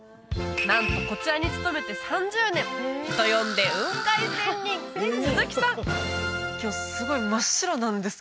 なんとこちらに勤めて３０年人呼んで雲海仙人鈴木さん！